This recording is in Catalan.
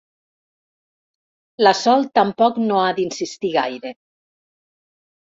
La Sol tampoc no ha d'insistir gaire.